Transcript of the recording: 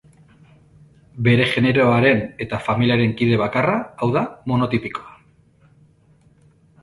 Bere generoaren eta familiaren kide bakarra da, hau da, monotipikoa.